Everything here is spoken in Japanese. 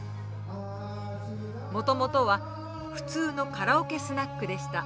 もともとは普通のカラオケスナックでした。